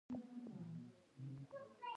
خو تر کومه چې موټران ښه چلوئ او ستاسو چلند ښه وي.